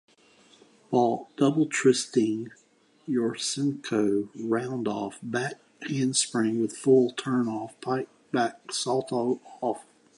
"Vault": Double-twisting Yurchenko; round-off, back handspring with full turn on, piked back salto off.